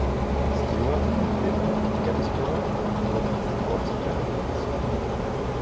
Stuart in den Filmen „Gettysburg“ und „Gods and Generals“.